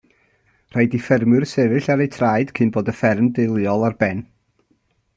Rhaid i ffermwyr sefyll ar eu traed cyn bod y fferm deuluol ar ben.